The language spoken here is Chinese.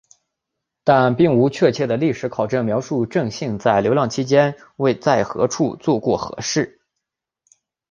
但并无确切的历史考证描述正信在流浪期间在何处做过何事。